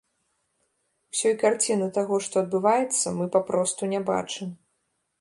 Усёй карціны таго, што адбываецца, мы папросту не бачым.